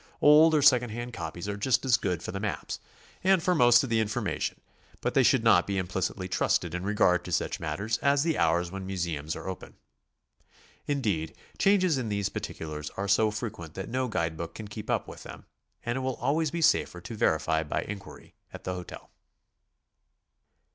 Old or second hand copies are just as good for the maps, and for most of the information; but they should not be implicitly trusted in regard to such matters as the hours when museums are open. Indeed, changes in these particulars are so fre quent that no guide book can keep up with them, and it will always be safer to verify by inquiry at the hotel.